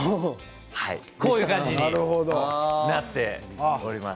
こういう感じになっております。